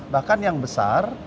bahkan yang besar